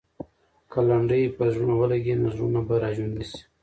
که لنډۍ پر زړونو ولګي، نو زړونه به راژوندي سي.